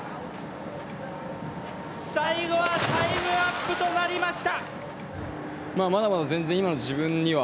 最後はタイムアップとなりました